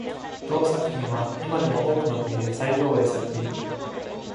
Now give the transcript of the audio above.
同作品は、今でも多くの国で再上演されている。